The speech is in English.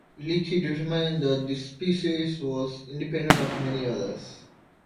Leakey determined that this species was independent of many others.